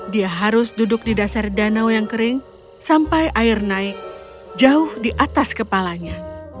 dia harus duduk di dasar danau yang kering sampai air naik jauh di atas kepalanya